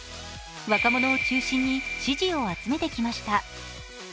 若者を中心に支持を集めてきました。